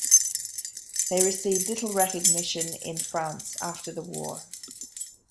They received little recognition in France after the war.